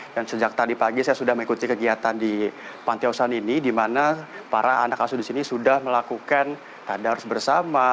dan sejak tadi pagi saya sudah mengikuti kegiatan di panti asuhan ini di mana para anak asuh di sini sudah melakukan tanda harus bersama